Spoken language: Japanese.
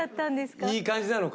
いい感じなのかな。